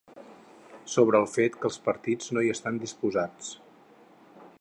Sobre el fet que els partits no hi estan disposats.